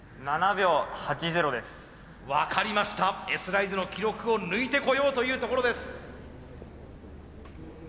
Ｓライズの記録を抜いてこようというところです。